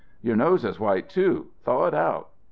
"Your nose is white, too. Thaw it out."